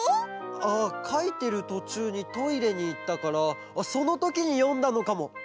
ああかいてるとちゅうにトイレにいったからそのときによんだのかも。